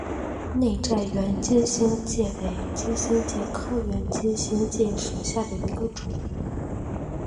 内战圆金星介为金星介科圆金星介属下的一个种。